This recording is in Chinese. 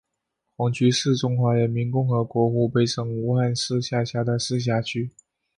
黄区是中华人民共和国湖北省武汉市下辖的市辖区。